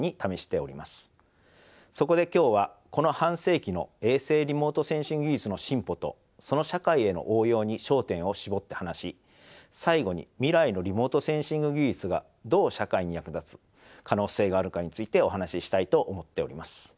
そこで今日はこの半世紀の衛星リモートセンシング技術の進歩とその社会への応用に焦点を絞って話し最後に未来のリモートセンシング技術がどう社会に役立つ可能性があるかについてお話ししたいと思っております。